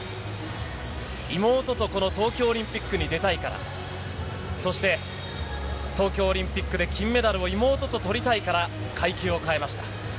妹とこの東京オリンピックに出たいから、そして、東京オリンピックで金メダルを妹ととりたいから階級を変えました。